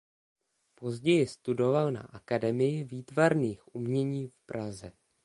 Později studoval na Akademii výtvarných umění v Praze.